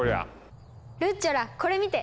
ルッチョラこれ見て！